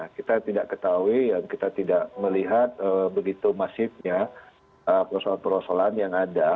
kita tidak ketahui kita tidak melihat begitu masifnya perusahaan perusahaan yang ada